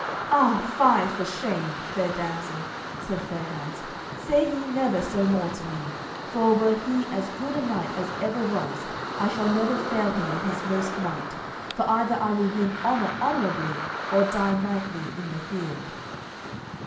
"Ah, fie for shame, fair damsel," said Fair hands, "say ye never so more to me, for, were he as good a knight as ever was, I shall never fail him in his most might, for either I will win honour honourably, or die knightly in the field."